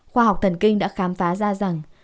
khoa học thần kinh đã khám phá ra rằng